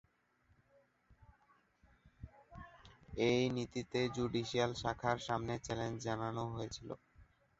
এই নীতিকে জুডিশিয়াল শাখার সামনে চ্যালেঞ্জ জানানো হয়েছিল।